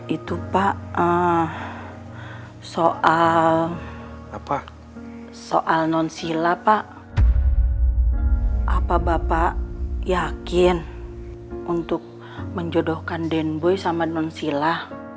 itu pak soal non sila pak apa bapak yakin untuk menjodohkan den boy sama non sila